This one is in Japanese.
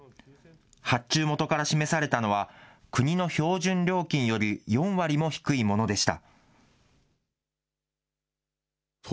発注元から示されたのは、国の標準料金より４割も低いものでした。